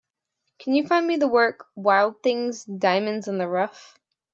Can you find me the work, Wild Things: Diamonds in the Rough?